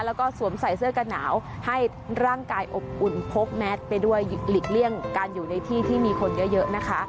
แล้วก็สวมใส่เสื้อกันหนาวให้ร่างกายอบอุ่นพกแมทไปด้วยหลีกเลี่ยงการอยู่ในที่ที่มีคนเยอะนะคะ